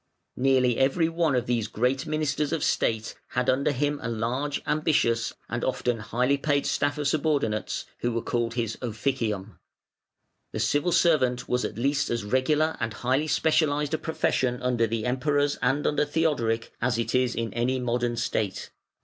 Nearly every one of these great ministers of state had under him a large, ambitious, and often highly paid staff of subordinates, who were called his Officium. The civil service was at least as regular and highly specialised a profession under the Emperors and under Theodoric as it is in any modern State.